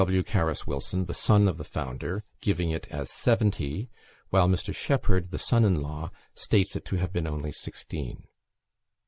W. Carus Wilson, the son of the founder, giving it as seventy; while Mr. Shepheard, the son in law, states it to have been only sixteen.